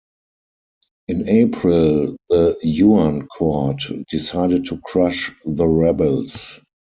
In April, the Yuan court decided to crush the rebels.